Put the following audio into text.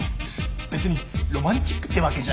別にロマンチックってわけじゃ。